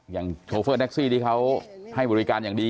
โชเฟอร์แท็กซี่ที่เขาให้บริการอย่างดี